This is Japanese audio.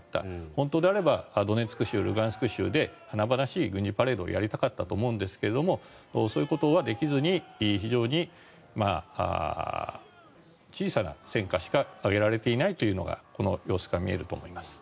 本当であればドネツク州、ルガンスク州で華々しい軍事パレードをやりたかったと思うんですけどもそういうことはできずに非常に小さな戦果しか上げられていないというのがこの様子から見えると思います。